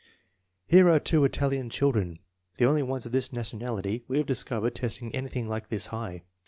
Here are two Italian children, the only ones of this nationality we have discovered testing anything like this high.